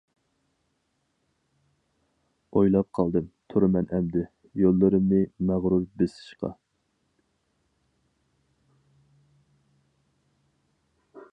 ئويلاپ قالدىم تۇرىمەن ئەمدى، يوللىرىمنى مەغرۇر بېسىشقا.